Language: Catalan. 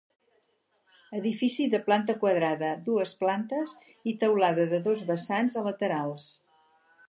Edifici de planta quadrada, dues plantes i teulada de dos vessants a laterals.